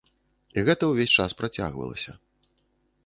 І гэта ўвесь час працягвалася.